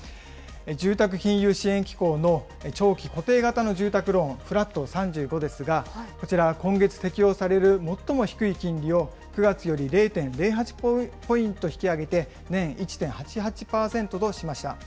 住宅金融支援機構の長期固定型の住宅ローン、フラット３５ですが、こちらは今月適用される最も低い金利を、９月より０．０８ポイント引き上げて、年１．８８％としました。